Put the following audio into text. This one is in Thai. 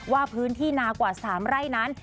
ว่าพื้นที่นากว่า๓ไร่นั้น